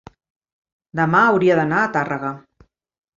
demà hauria d'anar a Tàrrega.